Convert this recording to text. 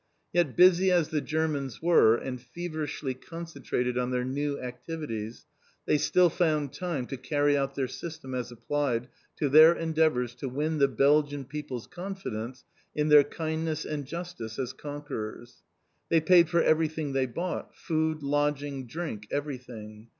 Yet, busy as the Germans were, and feverishly concentrated on their new activities, they still found time to carry out their system as applied to their endeavours to win the Belgian people's confidence in their kindness and justice as Conquerors! They paid for everything they bought, food, lodging, drink, everything.